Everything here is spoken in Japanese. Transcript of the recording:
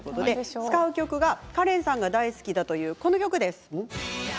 使う曲はカレンさんが大好きだというこの曲です。